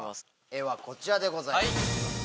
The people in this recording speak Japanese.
絵はこちらでございます。